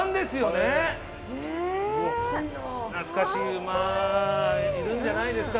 懐かしい馬いるんじゃないですか？